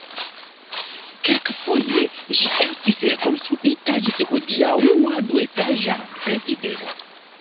Kelkfoje ĝi estis rekonstruita ĝis hodiaŭa duetaĝa rezidejo.